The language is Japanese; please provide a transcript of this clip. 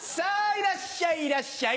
いらっしゃいいらっしゃい！